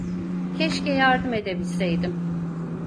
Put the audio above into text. Keşke yardım edebilseydim.